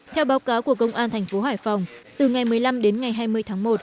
theo báo cáo của công an thành phố hải phòng từ ngày một mươi năm đến ngày hai mươi tháng một